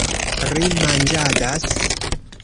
Ri manĝadas.